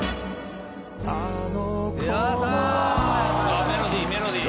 あっ『メロディー』『メロディー』。